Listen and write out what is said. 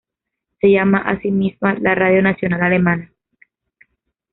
Se llama a sí misma la radio nacional alemana.